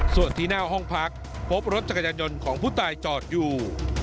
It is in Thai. ส่วนที่หน้าห้องพักพบรถจักรยานยนต์ของผู้ตายจอดอยู่